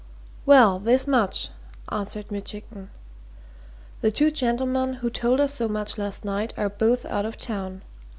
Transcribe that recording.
"Well, this much," answered Mitchington. "The two gentlemen who told us so much last night are both out of town.